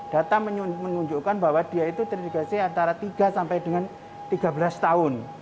data menunjukkan bahwa dia itu terindikasi antara tiga sampai dengan tiga belas tahun